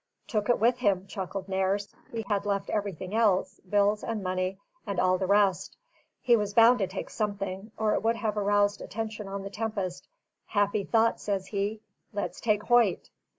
"Took it with him," chuckled Nares. "He had left everything else, bills and money and all the rest; he was bound to take something, or it would have aroused attention on the Tempest: 'Happy thought,' says he, 'let's take Hoyt.'"